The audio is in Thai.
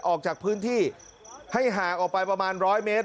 ออกจากพื้นที่ให้ห่างออกไปประมาณร้อยเมตร